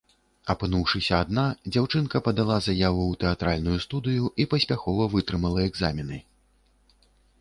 Апынуўшыся адна, дзяўчынка падала заяву ў тэатральную студыю і паспяхова вытрымала экзамены.